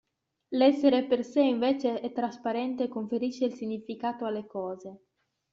L'essere per sé invece è trasparente e conferisce il significato alle cose.